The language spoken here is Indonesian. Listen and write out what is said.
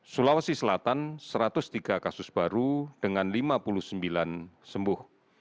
sulawesi selatan satu ratus tiga kasus baru dengan lima puluh sembilan sembuh